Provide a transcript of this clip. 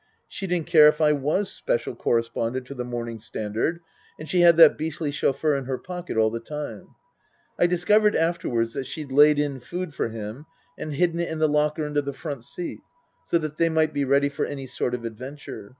She didn't care if I was Special Correspondent to the Morning Standard, and she had that beastly chauffeur in her pocket all the time, (I discovered afterwards that she'd laid in food for him and hidden it in the locker under the front seat, so that they might be ready for any sort of adventure.)